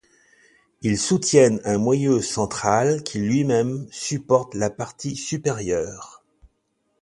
Ils soutiennent un moyeu central qui lui-même supporte la partie supérieure.